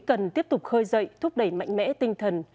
cần tiếp tục khơi dậy thúc đẩy mạnh mẽ tinh thần